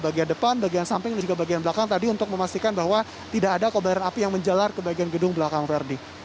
bagian depan bagian samping dan juga bagian belakang tadi untuk memastikan bahwa tidak ada kobaran api yang menjalar ke bagian gedung belakang ferdi